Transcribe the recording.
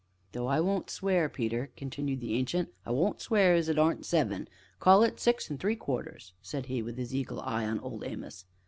"Though I won't swear, Peter," continued the Ancient, "I won't swear as it aren't seven call it six an' three quarters!" said he, with his eagle eye on Old Amos.